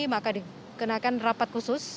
maka dikenakan rapat khusus